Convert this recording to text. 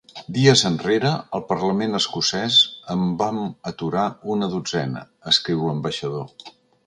Dies enrere, al parlament escocès en vam aturar una dotzena, escriu l’ambaixador.